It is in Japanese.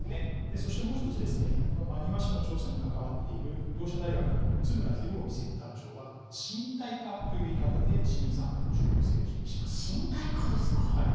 そして、もう１つ真庭市の調査に関わっている同志社大学の津村宏臣センター長は身体化という言い方で市民参加の重要性を身体化ですか。